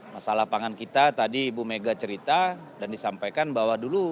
masalah pangan kita tadi ibu mega cerita dan disampaikan bahwa dulu